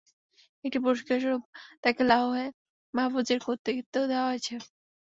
এরই পুরস্কারস্বরূপ তাকে লাওহে মাহফুজের কর্তৃত্ব দেওয়া হয়েছে।